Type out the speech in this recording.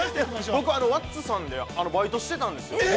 ◆僕、ワッツさんでバイトしてたんですよ。